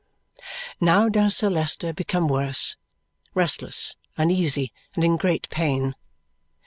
Now does Sir Leicester become worse, restless, uneasy, and in great pain.